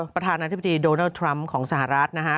ประธานาธิบดีโดนัลดทรัมป์ของสหรัฐนะฮะ